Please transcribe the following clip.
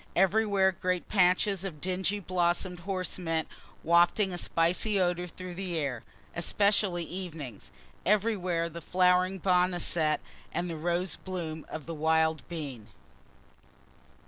Everywhere great patches of dingy blossom'd horse mint wafting a spicy odor through the air, (especially evenings.) Everywhere the flowering boneset, and the rose bloom of the wild bean.